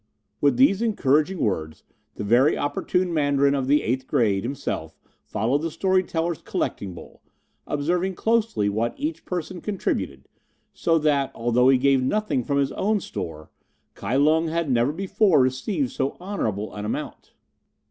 With these encouraging words the very opportune Mandarin of the eighth grade himself followed the story teller's collecting bowl, observing closely what each person contributed, so that, although he gave nothing from his own store, Kai Lung had never before received so honourable an amount.